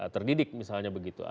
terdidik misalnya begitu